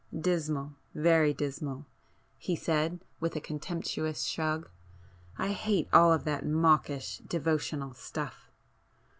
"Dismal,—very dismal!" he said with a contemptuous shrug. "I hate all that kind of mawkish devotional stuff.